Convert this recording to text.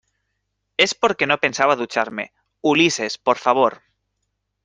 es porque no pensaba ducharme. Ulises, por favor